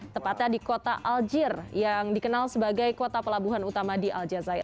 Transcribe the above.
tepatnya di kota aljir yang dikenal sebagai kota pelabuhan utama di al jazair